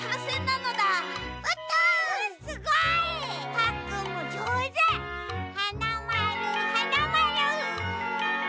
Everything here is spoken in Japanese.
パックンもじょうず！はなまるはなまる。